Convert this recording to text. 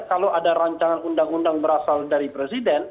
kalau ada rancangan undang undang berasal dari presiden